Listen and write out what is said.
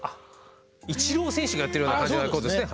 イチロー選手がやってるような感じのことですね。